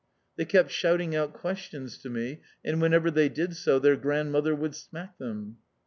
They kept shouting out questions to me, and whenever they did so their grandmother would smack them.